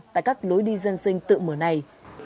tại các lối đi dân sinh tự mở này